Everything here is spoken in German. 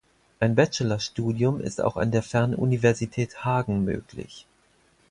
Ein Bachelorstudium ist auch an der Fernuniversität Hagen möglich.